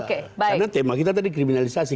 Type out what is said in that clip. karena tema kita tadi kriminalisasi